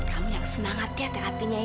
kamu yang semangat ya terapinya